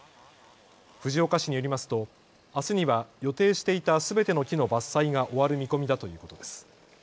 藤岡市によりますとあすには予定していたすべての木の伐採が終わる見込みだということです。